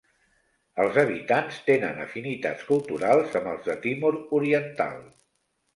Els habitants tenen afinitats culturals amb els de Timor Oriental.